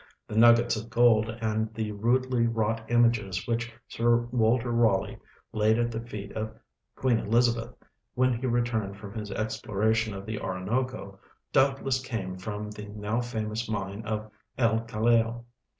The nuggets of gold and the rudely wrought images which Sir Walter Raleigh laid at the feet of Queen Elizabeth when he returned from his exploration of the Orinoco doubtless came from the noAV famous mine of El Callao.